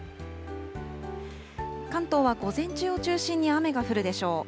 関東は午前中を中心に雨が降るでしょう。